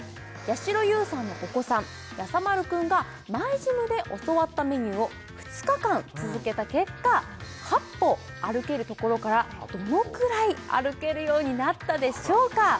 しろ優さんのお子さんやさ丸くんがＭｙＧｙｍで教わったメニューを２日間続けた結果８歩歩けるところからどのくらい歩けるようになったでしょうか